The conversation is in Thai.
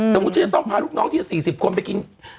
ฉันจะต้องพาลูกน้องที่๔๐คนไปกิน